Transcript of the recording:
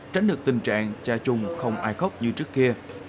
tránh được tình trạng cha chung không ai khóc như trước kia